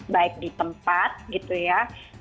baik di tempat gitu ya